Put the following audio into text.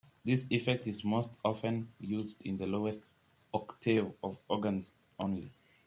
This effect is most often used in the lowest octave of the organ only.